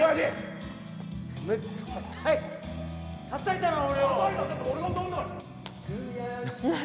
たたいたな、俺を！